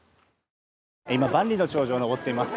今、万里の長城を登っています。